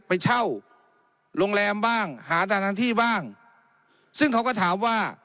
ไปเช่าโรงแรมบ้างหาสถานที่บ้างซึ่งเขาก็ถามว่า